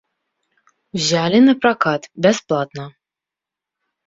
Узялі на пракат, бясплатна.